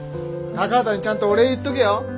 高畑にちゃんとお礼言っとけよ。